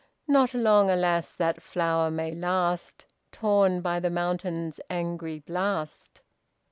Not long, alas! that flower may last Torn by the mountain's angry blast."